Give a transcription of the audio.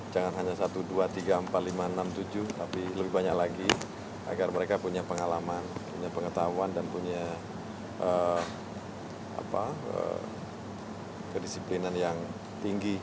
jangan hanya satu dua tiga empat lima enam tujuh tapi lebih banyak lagi agar mereka punya pengalaman punya pengetahuan dan punya kedisiplinan yang tinggi